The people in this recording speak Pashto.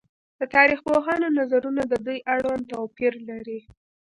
د تاريخ پوهانو نظرونه د دوی اړوند توپير لري